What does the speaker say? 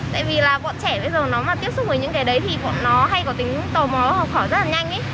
tại vì là bọn trẻ bây giờ nó mà tiếp xúc với những cái đấy thì bọn nó hay có tính tò mò và học hỏi rất là nhanh ý